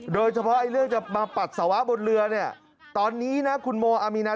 โดยเฉพาะเรื่องจะมาปัสสาวะบนเรือเนี่ยตอนนี้นะคุณโมอามีนา